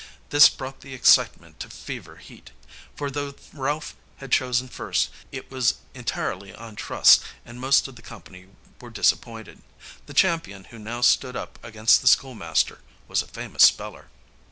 This brought the excitement to fever heat. For though Ralph was chosen first, it was entirely on trust, and most of the company were disappointed. The champion who now stood up against the school master was a famous speller.